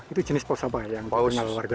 itu jenis paus apa yang terkenal warga ini